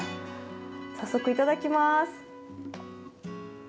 早速、いただきます。